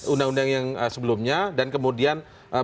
undang undang yang sebelumnya dan kemudian